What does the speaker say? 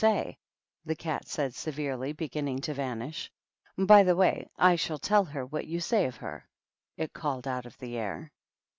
say," the Cat said, severely, beginning to vanish. " By the way, I shall tell her what you Bay of her," it called out of the air.